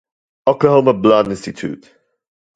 Oklahoma Blood Institute